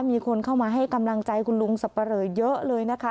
มีคนเข้ามาให้กำลังใจคุณลุงสับปะเหลอเยอะเลยนะคะ